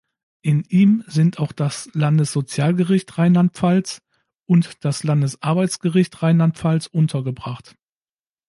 In ihm sind auch das Landessozialgericht Rheinland-Pfalz und das Landesarbeitsgericht Rheinland-Pfalz untergebracht.